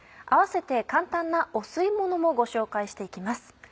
併せて簡単なお吸い物もご紹介して行きます。